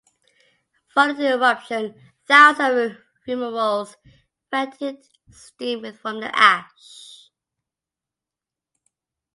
Following the eruption, thousands of fumaroles vented steam from the ash.